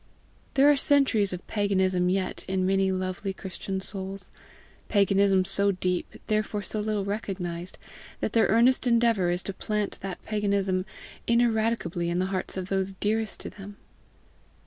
There are centuries of paganism yet in many lovely Christian souls paganism so deep, therefore so little recognized, that their earnest endeavour is to plant that paganism ineradicably in the hearts of those dearest to them.